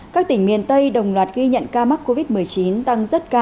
các tỉnh miền tây đồng loạt ghi nhận ca mắc covid một mươi chín tăng rất cao